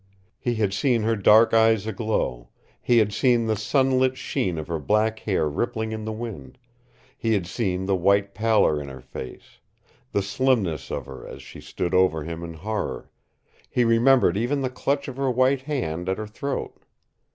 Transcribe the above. He had seen her dark eyes aglow; he had seen the sunlit sheen of her black hair rippling in the wind; he had seen the white pallor in her face, the slimness of her as she stood over him in horror he remembered even the clutch of her white hand at her throat.